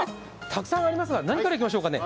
たくさんありますが、何からいきましょうかね。